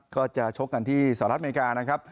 ก็จะชกกันที่สหรัฐอเมริกานะครับ